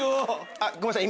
あっごめんなさい